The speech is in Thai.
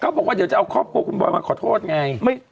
เขาบอกว่าเดี๋ยวจะเอาข้อโปรขับคุณบอยมาขอโทษไง